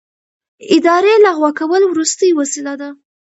اداري لغوه کول وروستۍ وسیله ده.